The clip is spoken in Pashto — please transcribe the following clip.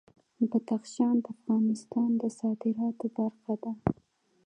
بدخشان د افغانستان د صادراتو برخه ده.